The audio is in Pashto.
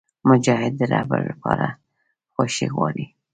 مجاهد د رب لپاره خوښي غواړي.